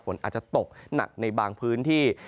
ฝนอาจจะตกหนักในบางพื้นที่